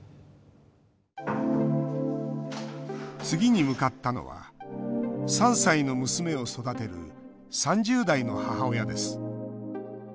次に向かったのは、３歳の娘を育てる３０代の母親です。